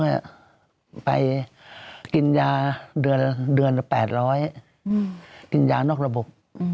เขาก็ไปกินยาเดือน๘๐๐กินยานอกระบบ